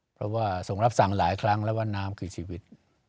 เพราะว่าส่งรับสั่งหลายครั้งแล้วว่าน้ำคือชีวิต